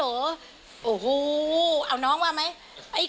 โอ้โหเอาน้องว่าไหม